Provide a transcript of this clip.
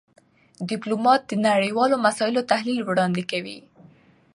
ډيپلومات د نړېوالو مسایلو تحلیل وړاندې کوي.